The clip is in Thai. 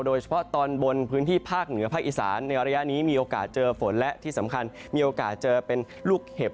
โดยเฉพาะตอนบนพื้นที่ภาคเหนือภาคอีสานในระยะนี้มีโอกาสเจอฝนและที่สำคัญมีโอกาสเจอเป็นลูกเห็บ